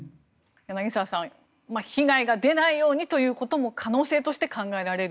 柳澤さん被害が出ないようにということも可能性として考えられる。